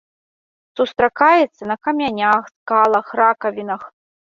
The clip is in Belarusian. Сустракаецца на камянях, скалах, ракавінах.